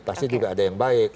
pasti juga ada yang baik